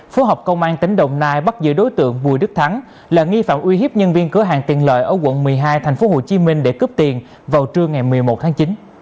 phòng cảnh sát hình sự công an tp hcm bắt giữ đối tượng bùi đức thắng là nghi phạm uy hiếp nhân viên cửa hàng tiền lợi ở quận một mươi hai tp hcm để cướp tiền vào trưa ngày một mươi một tháng chín